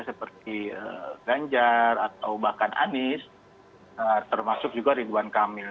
seperti ganjar atau bahkan anies termasuk juga ridwan kamil